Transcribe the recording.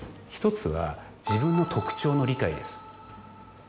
１つは自分の特徴の理解です。